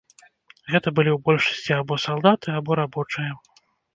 Гэта былі ў большасці або салдаты, або рабочыя.